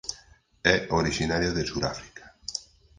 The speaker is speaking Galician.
É orixinario de Suráfrica.